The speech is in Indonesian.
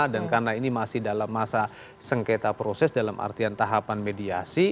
dan karena ini masih dalam masa sengketa proses dalam artian tahapan mediasi